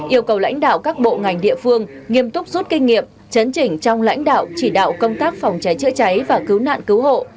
yêu cầu lãnh đạo các bộ ngành địa phương nghiêm túc rút kinh nghiệm chấn chỉnh trong lãnh đạo chỉ đạo công tác phòng cháy chữa cháy và cứu nạn cứu hộ